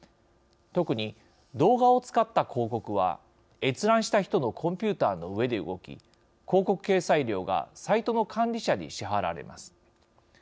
特に動画を使った広告は閲覧した人のコンピューターの上で動き広告掲載料がサイトの管理者に支払われます。